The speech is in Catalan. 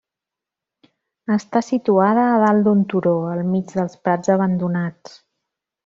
Està situada a dalt d'un turó, al mig dels prats abandonats.